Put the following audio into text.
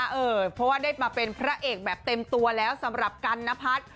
เพราะว่าได้มาเป็นพระเอกแบบเต็มตัวแล้วสำหรับกันนพัฒน์